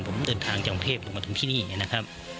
ผมเดินทางจากกรุงเทพผมมาถึงที่นี่นะครับ